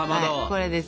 これですよ。